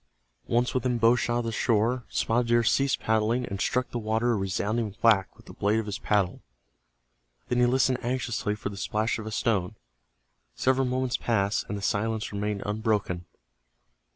Once within bow shot of the shore, Spotted Deer ceased paddling and struck the water a resounding whack with the blade of his paddle. Then he listened anxiously for the splash of a stone. Several moments passed, and the silence remained unbroken.